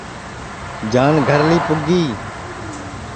جان گھر لی پُگی